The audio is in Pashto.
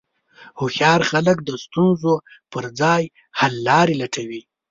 هوښیار خلک د ستونزو پر ځای حللارې لټوي.